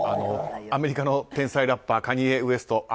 アメリカの天才ラッパーカニエ・ウェスト。